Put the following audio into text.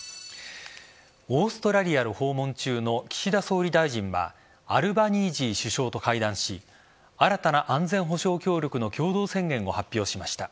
オーストラリアを訪問中の岸田総理大臣はアルバニージー首相と会談し新たな安全保障協力の共同宣言を発表しました。